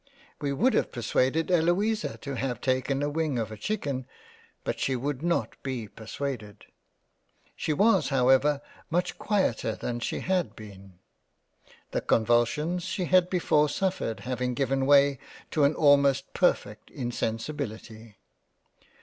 We would have persuaded Eloisa to have taken a Wing of a Chicken, but she would not be persuaded. She was however much quieter than she had been ; the con vulsions she had before suffered having given way to an almost perfect Insensibility.